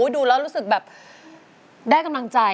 ดูแล้วรู้สึกแบบได้กำลังใจ